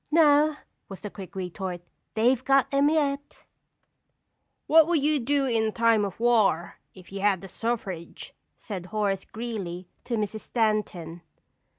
"No," was the quick retort, "they've got 'em yet!" "What would you do in time of war if you had the suffrage?" said Horace Greeley to Mrs. Stanton.